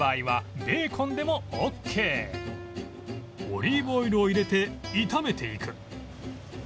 オリーブオイルを入れて炒めていく